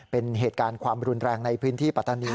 เป็นเหตุการณ์ความรุนแรงในพื้นที่ปัตตานี